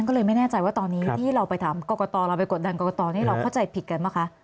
ก็เลยไม่แน่ใจว่าตอนนี้ที่เราไปถามกรกตเราไปกดดันกรกตนี่เราเข้าใจผิดกันป่ะคะ